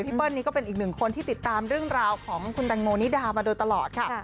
เปิ้ลนี้ก็เป็นอีกหนึ่งคนที่ติดตามเรื่องราวของคุณแตงโมนิดามาโดยตลอดค่ะ